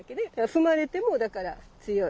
踏まれてもだから強い。